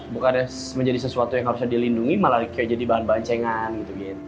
bukannya menjadi sesuatu yang nggak bisa dilindungi malah jadi bahan bahan cenggan gitu gitu